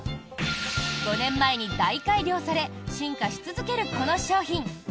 ５年前に大改良され進化し続ける、この商品。